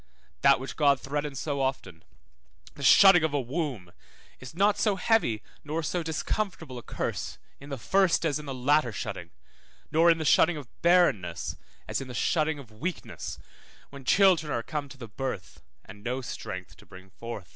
That which God threatens so often, the shutting of a womb, is not so heavy nor so discomfortable a curse in the first as in the latter shutting, nor in the shutting of barrenness as in the shutting of weakness, when children are come to the birth, and no strength to bring forth.